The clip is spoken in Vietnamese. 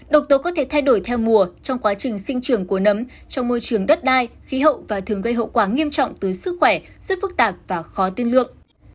độc tố có thể thay đổi theo mùa trong quá trình sinh trưởng của nấm trong môi trường đất đai khí hậu và thường gây hậu quả nghiêm trọng tới sức khỏe rất phức tạp và khó tiên lượng